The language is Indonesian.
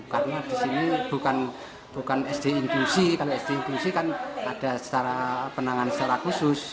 karena di sini bukan sd inklusi sd inklusi kan ada penanganan secara khusus